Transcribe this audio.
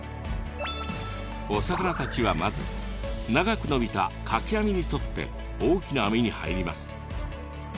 お魚たちはまず長くのびた垣網に沿って大きな網に入ります。